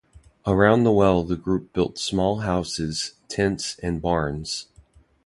Around the well the group built small houses, tents, and barns.